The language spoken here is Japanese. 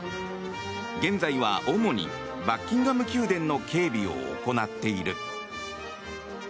現在は主にバッキンガム宮殿の警備を行っている。